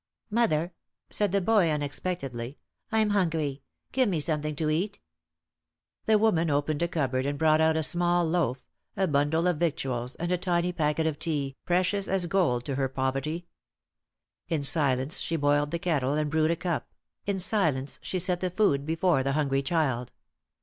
"Mother," said the boy, unexpectedly, "I'm hungry. Give me something to eat." The woman opened a cupboard and brought out a small loaf, a bundle of victuals, and a tiny packet of tea, precious as gold to her poverty. In silence she boiled the kettle and brewed a cup; in silence she set the food before the hungry child.